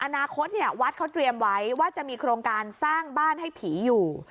อนาคตวัดเขาเตรียมไว้ว่าจะมีโครงการสร้างบ้านให้ผีอยู่